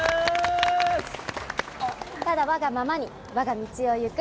ただわがままに我が道をゆく！